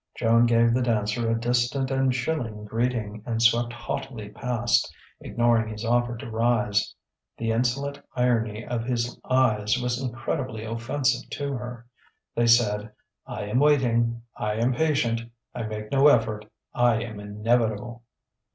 Joan gave the dancer a distant and chilling greeting, and swept haughtily past, ignoring his offer to rise. The insolent irony of his eyes was incredibly offensive to her. They said: "I am waiting, I am patient, I make no effort, I am inevitable."